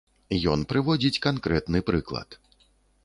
Ён прыводзіць канкрэтны прыклад.